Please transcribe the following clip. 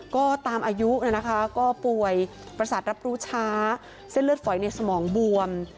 ก็ตามอายุนะคะก็ป่วยประสาทรับรู้ช้าเส้นเลือดฝอยในสมองบวม